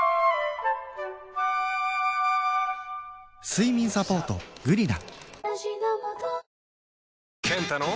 睡眠サポート「グリナ」